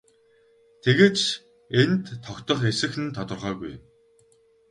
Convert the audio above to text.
Тэгээд ч тэр энд тогтох эсэх нь тодорхойгүй.